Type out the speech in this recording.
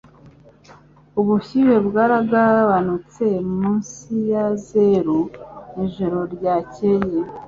Ubushyuhe bwaragabanutse munsi ya zeru mwijoro ryakeye